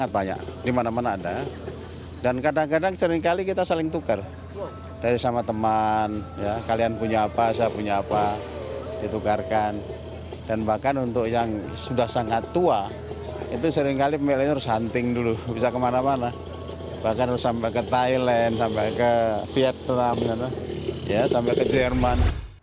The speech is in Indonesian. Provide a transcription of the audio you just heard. bahkan sampai ke thailand sampai ke vietnam sampai ke jerman